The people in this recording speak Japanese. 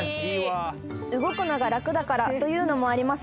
「動くのが楽だからというのもありますが」